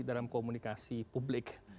dalam komunikasi publik